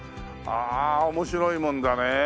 ああ面白いもんだね。